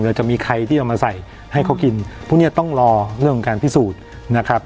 เราจะมีใครที่เอามาใส่ให้เขากินพวกเนี้ยต้องรอเรื่องของการพิสูจน์นะครับ